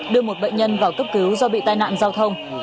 đưa một bệnh nhân vào cấp cứu do bị tai nạn giao thông